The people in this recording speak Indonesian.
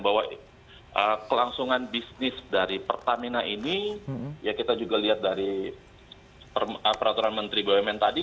bahwa kelangsungan bisnis dari pertamina ini ya kita juga lihat dari peraturan menteri bumn tadi